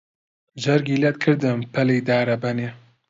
جەرگی لەت کردم پەلی دارەبەنێ